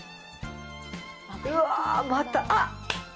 うわっ、また、あっ！